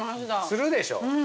◆するでしょう？